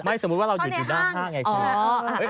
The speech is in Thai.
สมมุติว่าเราหยุดอยู่ด้านข้างไงคุณ